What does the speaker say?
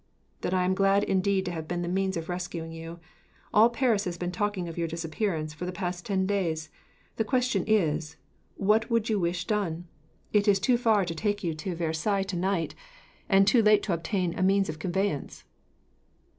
"Then I am glad, indeed, to have been the means of rescuing you. All Paris has been talking of your disappearance, for the past ten days. The question is, what would you wish done? It is too far to take you to Versailles tonight, and too late to obtain means of conveyance."